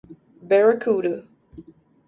Barracuda.